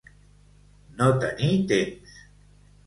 No tenir temps.